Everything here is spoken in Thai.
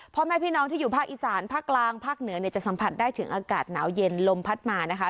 พ่อแม่พี่น้องที่อยู่ภาคอีสานภาคกลางภาคเหนือเนี่ยจะสัมผัสได้ถึงอากาศหนาวเย็นลมพัดมานะคะ